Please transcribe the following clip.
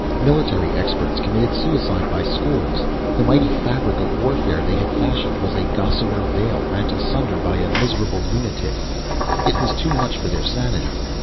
Military experts committed suicide by scores. The mighty fabric of warfare they had fashioned was a gossamer veil rent asunder by a miserable lunatic. It was too much for their sanity.